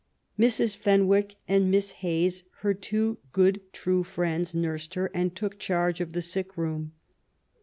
'' Mrs. Fenwick and Miss Hayes, two good true friends, nursed her and took charge of the sick room.